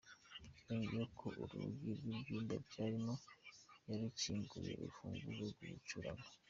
Yongeyeho ko urugi rw’icyumba byarimo yarukinguje urufunguzo rw’urucurano.